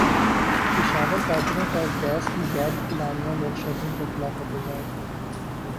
پشاور تاجروں کا گیس کی غیر اعلانیہ لوڈشیڈنگ کیخلاف احتجاج